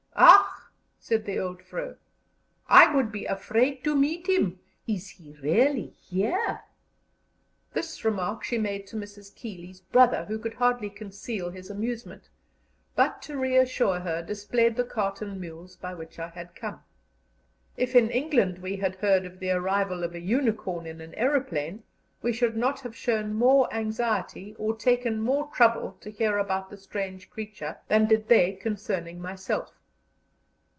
"Ach!" said the old vrow, "I would be afraid to meet him. Is he really here?" This remark she made to Mrs. Keeley's brother, who could hardly conceal his amusement, but, to reassure her, displayed the cart and mules by which I had come. If in England we had heard of the arrival of a "unicorn" in an aeroplane, we should not have shown more anxiety or taken more trouble to hear about the strange creature than did they concerning myself.